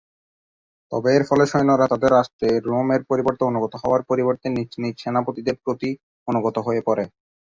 তবে, এর ফলে সৈন্যরা তাদের রাষ্ট্র রোমের পরিবর্তে অনুগত হওয়ার পরিবর্তে নিজ নিজ সেনাপতিদের প্রতি অনুগত হয়ে পড়ে।